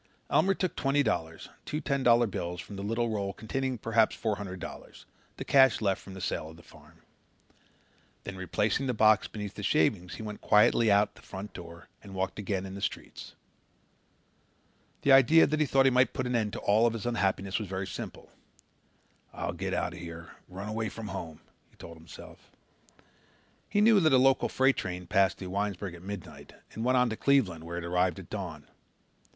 Elmer took twenty dollars, two ten dollar bills, from the little roll containing perhaps four hundred dollars, the cash left from the sale of the farm. Then replacing the box beneath the shavings he went quietly out at the front door and walked again in the streets. The idea that he thought might put an end to all of his unhappiness was very simple. "I will get out of here, run away from home," he told himself. He knew that a local freight train passed through Winesburg at midnight and went on to Cleveland, where it arrived at dawn.